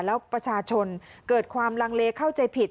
แล้วประชาชนเกิดความลังเลเข้าใจผิด